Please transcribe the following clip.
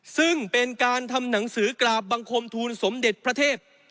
ซึ่งเป็นการทำหนังสือกราบบังคมทูลสมเด็จพระเทพ